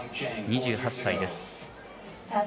２８歳です。